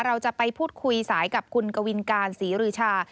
เราจะไปพูดคุยสายกับคุณกวินการศรีรือชา